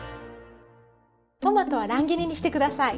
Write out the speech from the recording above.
トマトは乱切りにして下さい。